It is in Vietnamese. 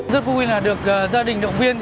rất vui là được gia đình động viên